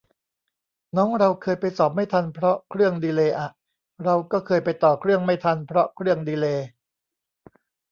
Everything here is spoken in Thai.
น้องเราเคยไปสอบไม่ทันเพราะเครื่องดีเลย์อะ เราก็เคยไปต่อเครื่องไม่ทันเพราะเครื่องดีเลย์